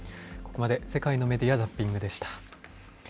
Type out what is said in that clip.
ここまで世界のメディア・ザッピングでした。